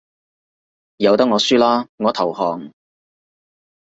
由得我輸啦，我投降